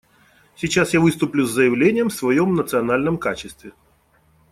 Сейчас я выступлю с заявлением в своем национальном качестве.